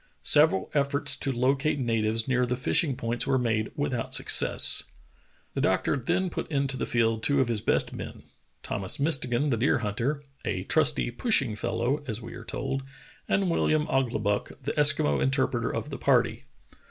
Several efforts to locate natives near the fishing points were made without success. The doctor then put into the field two of his best men, Thomas Mistegan, the deer hunter, "a trusty, pushing fellow," as we are told, and WilHam Ouglibuck, the Eskimo interpreter of the party.